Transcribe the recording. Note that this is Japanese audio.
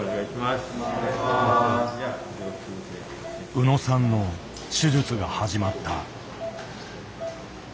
宇野さんの手術が始まった。